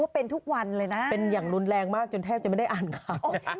เป็นทุกวันเลยนะเป็นอย่างรุนแรงมากจนแทบจะไม่ได้อ่านข่าว